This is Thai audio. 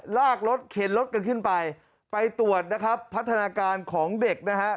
ลากรถเข็นรถกันขึ้นไปไปตรวจนะครับพัฒนาการของเด็กนะฮะ